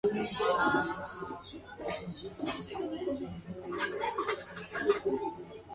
Moon is married to Chinese para table tennis player Cao Ningning.